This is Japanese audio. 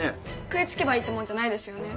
食いつけばいいってもんじゃないですよね？